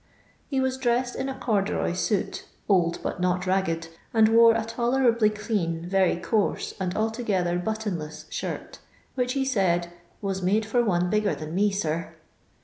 He was dressed in a corduroy suit, old but not ragged, and wore a tolerably clean, very coarse, and altogether button less shirt, which he said " was made for one bigger than me, sir."